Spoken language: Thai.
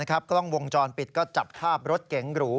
กล้องวงจรปิดก็จับภาพรถเก๋งหรู